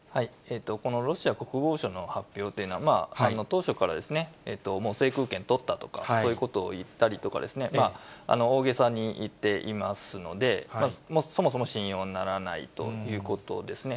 このロシア国防省の発表というのは、当初から制空権取ったとか、そういうことを言ったりとかですね、大げさに言っていますので、そもそも信用ならないということですね。